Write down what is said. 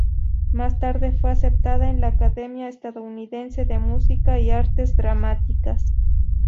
Más tarde fue aceptada en la Academia Estadounidense de Música y Artes Dramáticas.